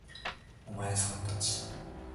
お前さん達